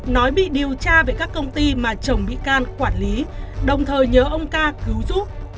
nói bị điều tra về các công ty mà chồng bị can quản lý đồng thời nhớ ông ca cứu giúp